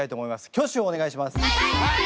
挙手をお願いします。